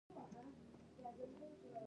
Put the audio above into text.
ژبې د افغانستان د ملي هویت یوه نښه ده.